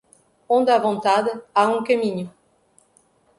Onde há vontade, há um caminho.